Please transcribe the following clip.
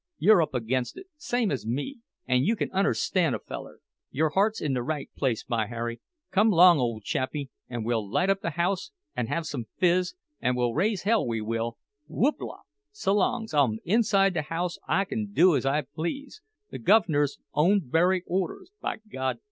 You're up against it, same as me, an' you can unerstan' a feller; your heart's in the right place, by Harry—come 'long, ole chappie, an' we'll light up the house, an' have some fizz, an' we'll raise hell, we will—whoop la! S'long's I'm inside the house I can do as I please—the guv'ner's own very orders, b'God!